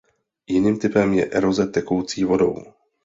Jiným typem je eroze tekoucí vodou.